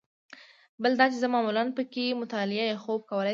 بل دا چې زه معمولاً په کې مطالعه یا خوب کولای شم.